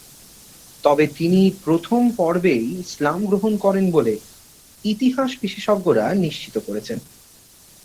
তবে তিনি প্রথম পর্বেই ইসলাম গ্রহণ করেন বলে ইতিহাস বিশেষজ্ঞরা নিশ্চিত করেছেন।